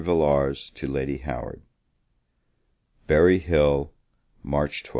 VILLARS TO LADY HOWARD Berry Hill, March 12.